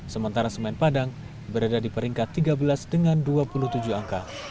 sementara semen padang berada di peringkat tiga belas dengan dua puluh tujuh angka